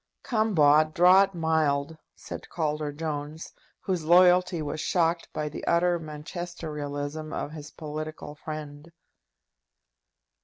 "Come, Bott, draw it mild," said Calder Jones, whose loyalty was shocked by the utter Manchesterialism of his political friend.